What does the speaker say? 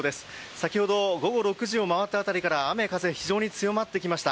先ほど午後６時を回った辺りから雨風が非常に強まってきました。